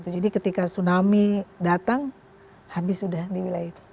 jadi ketika tsunami datang habis sudah di wilayah itu